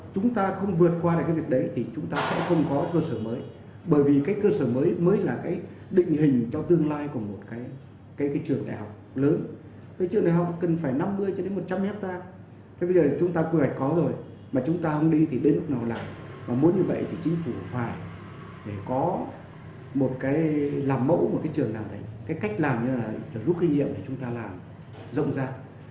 cái cách làm như là rút kinh nghiệm thì chúng ta làm rộng ra